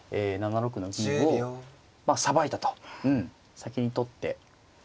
先に取って。